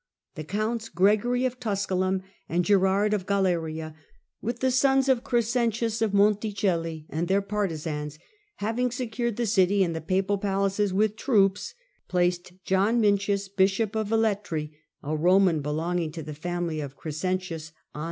The counts Gregory of Tusculum and Girard of Galeria, with the sons of Crescentius of Monticelli, and their partisans, having secured the city and the papal palaces with troops, placed John Mincius, bishop of Vel« letri, a Roman belonging to the family of Crescentius, on Digitized by VjOOQIC Victor II, and Stephen IX.